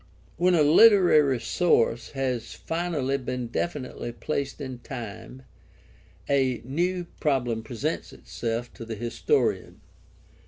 — When a literary source has finally been definitely placed in time, a new prob lem presents itself to the historian.